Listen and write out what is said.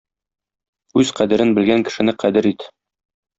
Үз кадерен белгән кешене кадер ит.